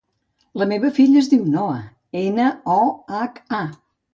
La meva filla es diu Noha: ena, o, hac, a.